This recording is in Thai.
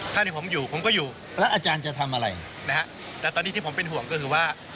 ถ้าที่ผมอยู่ผมก็อยู่แล้วอาจารย์จะทำอะไรนะฮะแต่ตอนนี้ที่ผมเป็นห่วงก็คือว่า